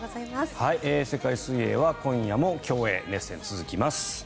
世界水泳は今夜も競泳熱戦続きます。